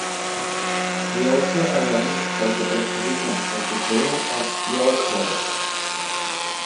He also arranged for the exhibition of the Vale of York Hoard.